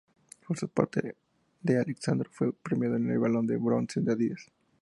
Por su parte, D'Alessandro fue premiado con el Balón de Bronce adidas.